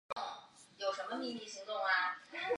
市镇是芬兰地方政府的行政单位。